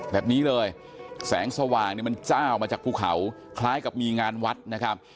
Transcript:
แบบนี้เลยแสงสว่างเนี่ยมันเจ้ามาจากภูเขาคล้ายกับมีงานวัดนะครับ